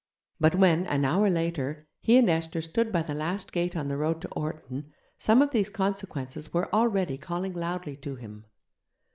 But when, an hour later, he and Esther stood by the last gate on the road to Orton, some of these consequences were already calling loudly to him.